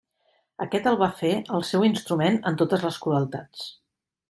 Aquest el va fer el seu instrument en totes les crueltats.